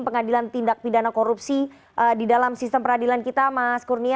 pengadilan tindak pidana korupsi di dalam sistem peradilan kita mas kurnia